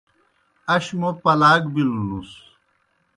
اش موْ پلاک بِلونُس۔